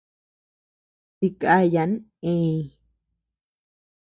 Dikayan eñ.